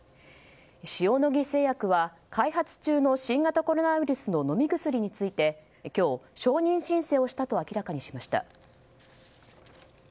塩野義製薬は開発中の新型コロナウイルスの飲み薬について今日、承認申請をしたと明らかにしました。